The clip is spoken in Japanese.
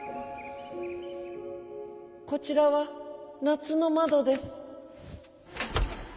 「こちらはなつのまどです」。